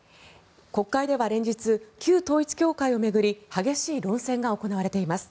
国会では連日旧統一教会を巡り激しい論戦が行われています。